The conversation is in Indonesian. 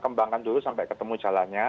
kembangkan dulu sampai ketemu jalannya